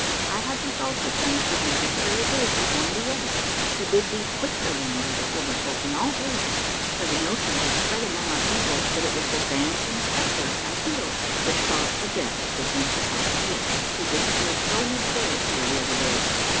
I had resolved to send for thee this very day to warn thee of it: to bid thee quit the land of the Formifolk in all haste, for the notion has spread among our people that it was the dancing spectre at thy heels which caused the death of the gentle Pouting Lip, who dis appeared so mysteriously the other day.